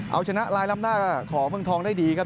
เอาชนะลายรัมดาของเมืองทองได้ดีครับ